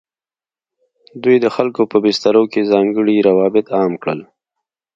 دوی د خلکو په بسترو کې ځانګړي روابط عام کړل.